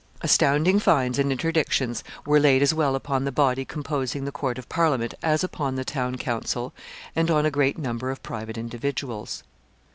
Astounding fines and interdictions were laid as well upon the body composing the court of Parliament as upon the town council and on a great number of private individuals.